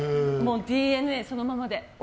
ＤＮＡそのままで。